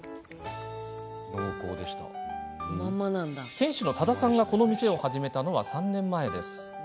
店主の多田さんがこの店を始めたのは３年前。